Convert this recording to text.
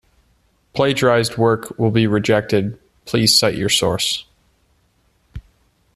Plagiarized work will be rejected, please cite your source.